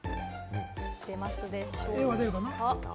出ますでしょうか？